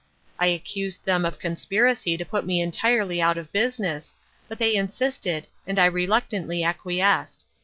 I accused them of conspiracy to put me entirely out of business, but they insisted and I reluctantly acquiesced.